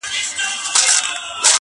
یوه خبره ورته یاده وه له پلاره څخه،